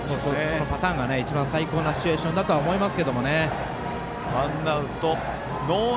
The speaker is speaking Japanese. そのパターンが最高なシチュエーションだとは思います。